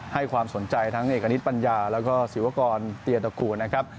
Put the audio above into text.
ให้ความสนใจทั้งเอกณิตปัญญาแล้วก็ศิวกรเตียตระกูลนะครับ